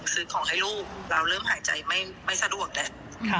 ซื้อของให้ลูกเราเริ่มหายใจไม่สะดวกแล้ว